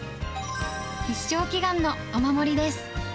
必勝祈願のお守りです。